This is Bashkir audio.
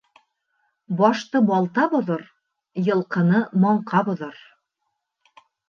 Башты балта боҙор, йылҡыны маңҡа боҙор.